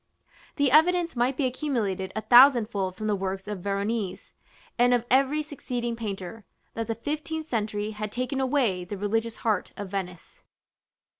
The evidence might be accumulated a thousandfold from the works of Veronese, and of every succeeding painter, that the fifteenth century had taken away the religious heart of Venice.